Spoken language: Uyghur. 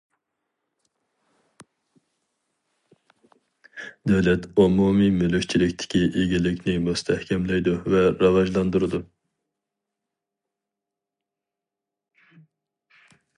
دۆلەت ئومۇمىي مۈلۈكچىلىكتىكى ئىگىلىكنى مۇستەھكەملەيدۇ ۋە راۋاجلاندۇرىدۇ.